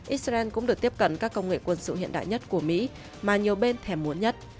israel cũng được tiếp cận các công nghệ quân sự hiện đại nhất của mỹ mà nhiều bên thèm muốn nhất